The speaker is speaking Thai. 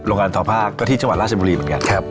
โรงงานทอพาก็ที่ชวันราชบุรีเหมือนกันครับ